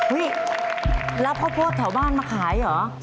รับข้าวโพดแถวบ้านมาขายเหรอ